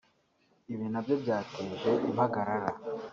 ibi nabyo byateje impagarara